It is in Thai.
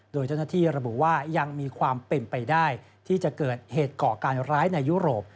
โดยเจ้าหน้าที่ระบุว่ายังมีความเป็นไปได้ที่จะเกิดเหตุก่อการร้ายในยุโรป